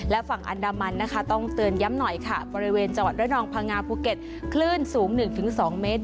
และฝั่งอันดามันนะคะต้องเตือนย้ำหน่อยค่ะบริเวณจังหวัดระนองพังงาภูเก็ตคลื่นสูง๑๒เมตร